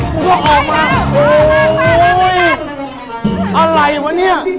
มันก็ออกมาโอ้ยอะไรวะเนี้ย